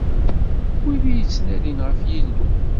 Wid i yettnadin ɣef Yillu.